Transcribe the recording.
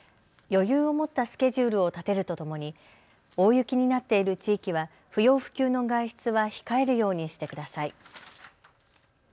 余裕を持ったスケジュールを立てるとともに大雪になっている地域は不要不急の外出は控えるようにしてください。